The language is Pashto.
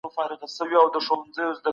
اتلس تر اولسو ډېر دي.